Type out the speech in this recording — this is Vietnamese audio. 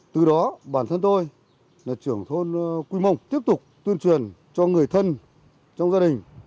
từ đó bản thân tôi là trưởng thôn quy mông tiếp tục tuyên truyền cho người thân trong gia đình